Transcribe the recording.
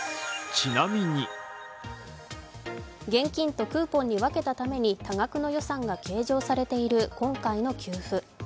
現金とクーポンに分けたために多額の予算が計上されている今回の給付。